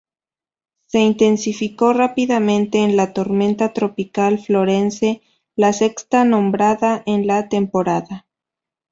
Se intensificó rápidamente en la tormenta tropical Florence, la sexta nombrada en la temporada.